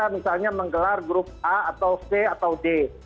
misalnya menggelar grup a atau c atau d